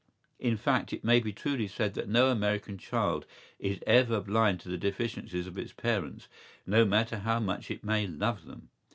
¬Ý In fact, it may be truly said that no American child is ever blind to the deficiencies of its parents, no matter how much it may love them.